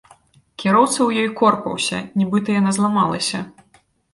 Кіроўца ў ёй корпаўся, нібыта, яна зламалася.